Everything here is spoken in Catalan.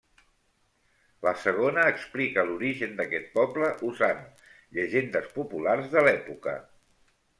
La segona explica l'origen d'aquest poble, usant llegendes populars de l'època.